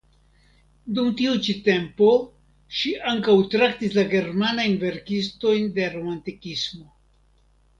Dum tiu ĉi tempo ŝi ankaŭ traktis la germanajn verkistojn de romantikismo.